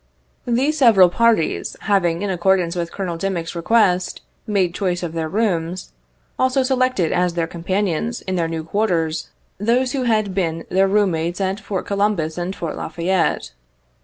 These several parties having, in accordance with Colonel Dimick's request, made choice of their rooms, also selected as their companions, in their new quarters, those who had been their room mates at Fort Columbus and Fort La Fayette.